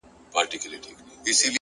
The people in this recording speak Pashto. مهرباني د درناوي تخم شیندي